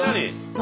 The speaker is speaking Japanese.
何？